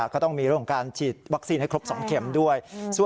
ก็ต้องมีโรงการฉีดวัคซีนให้ครบสองเข็มด้วย